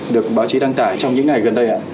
được báo chí đăng tải trong những ngày gần đây ạ